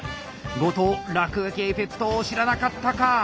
後藤落書きエフェクトを知らなかったか。